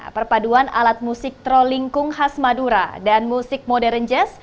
perpaduan alat musik trolling kung has madura dan musik modern jazz